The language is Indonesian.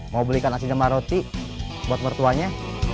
mau belikan asin sama roti buat mertuanya